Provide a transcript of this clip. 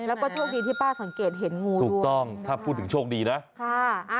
แล้วก็โชคดีที่ป้าสังเกตเห็นงูถูกต้องถ้าพูดถึงโชคดีนะค่ะ